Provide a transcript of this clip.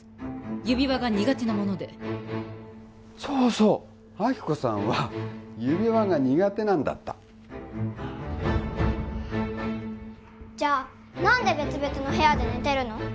指輪が苦手なものでそうそう亜希子さんは指輪が苦手なんだったじゃ何で別々の部屋で寝てるの？